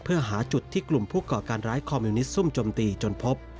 เพื่อหาจุดที่กลุ่มผู้ก่อการร้ายคอมมิวนิสซุ่มจมตีจนพบ